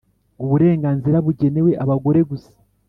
uburenganzira bugenewe abagore gusa.